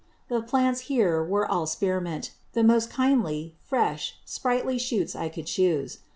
The Plants here were all Spear Mint; the most kindly, fresh, sprightly Shoots I could chuse.